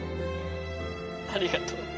ありがとう。